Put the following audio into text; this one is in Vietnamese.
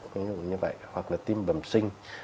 ví dụ như vậy hoặc là tim bẩm sinh